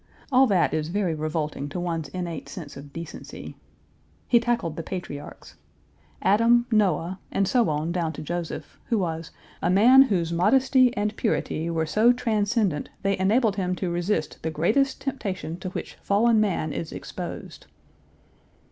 All that is very revolting to one's innate sense of decency. He tackled the patriarchs. Adam, Page 323 Noah, and so on down to Joseph, who was "a man whose modesty and purity were so transcendent they enabled him to resist the greatest temptation to which fallen man is exposed."